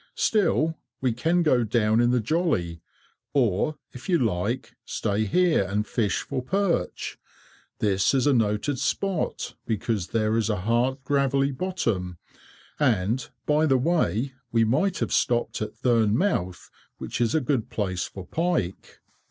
Still, we can go down in the jolly, or, if you like, stay here, and fish for perch. This is a noted spot, because there is a hard gravelly bottom, and, by the way, we might have stopped at Thurne mouth, which is a good place for pike."